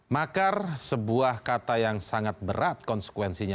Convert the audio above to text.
makar sebuah kata yang sangat berat konsekuensinya